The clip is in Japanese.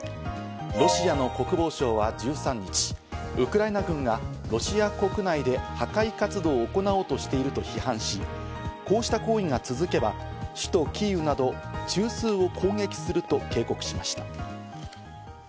ロシアの国防省は１３日、ウクライナ軍がロシア国内で破壊活動を行おうとしていると批判し、こうした行為が続けば首都キーウなど中枢を攻撃すると警告しました。